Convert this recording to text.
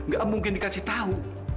gak mungkin dikasih tau